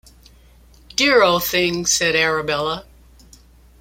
‘Dear old thing!’ said Arabella.